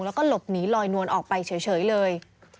แล้วก็หลบหนีลอยนวลออกไปเฉยเลย